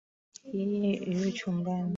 Yeye yu chumbani.